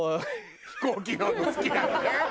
飛行機乗るの好きなのね？